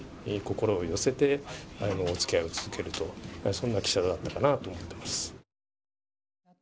そんな記者だったかなと思ってます。